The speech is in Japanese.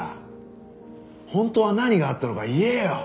本当は何があったのか言えよ。